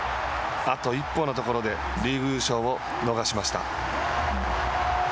あと一歩のところでリーグ優勝を逃しました。